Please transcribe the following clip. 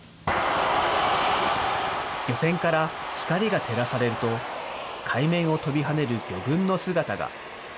漁船から光が照らされると、海面を跳びはねる魚群の姿が。